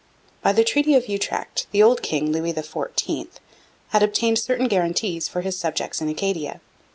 By the Treaty of Utrecht the old king, Louis XIV, had obtained certain guarantees for his subjects in Acadia.